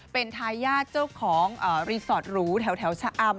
เป็นทายาทเจ้าของรีสอร์ตหรูแถวชะอำ